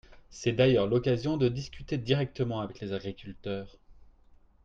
C’est d’ailleurs l’occasion de discuter directement avec les agriculteurs.